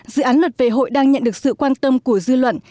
dự án luật về hội đang nhận được sự quan tâm của dư luận